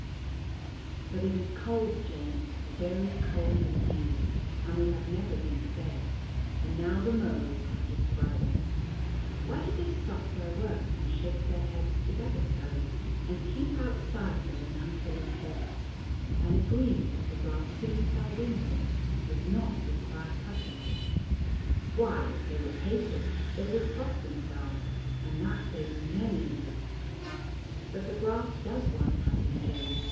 But it is cold, Jane, very cold indeed; and we have never been to bed; and now the mowers have descried us, why do they stop their work, and shake their heads together so, and keep outside the ranunculus bed, and agree that the grass beneath our windows does not require cutting? Why, if they were Papists, they would cross themselves, and that saves many an oath. But the grass does want cutting, Jane.